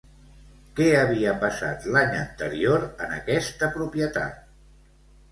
Què havia passat, l'any anterior, en aquesta propietat?